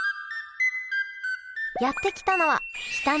やって来たのは北の大地